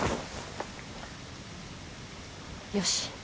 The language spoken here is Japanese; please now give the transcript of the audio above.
よし。